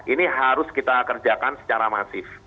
ini harus kita kerjakan secara masif